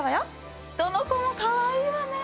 どの子もかわいいわね。